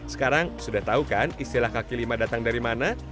sekarang sudah tahu kan istilah kaki lima datang dari mana